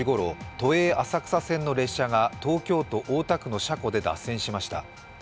都営浅草線の列車が東京都大田区の車庫で脱線しました。